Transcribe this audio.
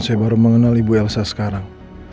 saya baru mengenal ibu elsa sekarang